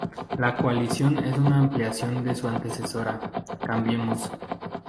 La coalición es una ampliación de su antecesora, Cambiemos.